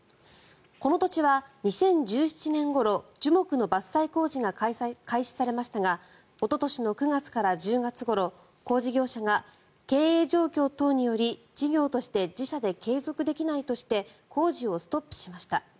この土地は２０１７年ごろ樹木の伐採工事が開始されましたがおととしの９月から１０月ごろ工事業者が経営状況等により、事業として自社で継続できないとして工事をストップしました。